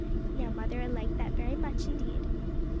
"Now Mother'll like that very much indeed."